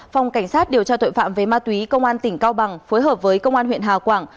phòng cảnh sát điều tra tội phạm về ma túy công an tỉnh cao bằng phối hợp với công an huyện hà quảng